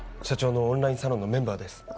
社長のオンラインサロンのメンバーです。